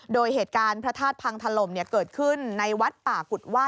โดยเหตุการณ์พระธาตุพังถล่มเกิดขึ้นในวัดป่ากุฎว่า